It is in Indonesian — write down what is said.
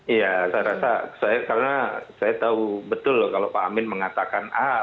iya saya rasa karena saya tahu betul loh kalau pak amin mengatakan a